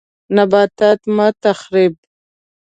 نباتات مه تخریب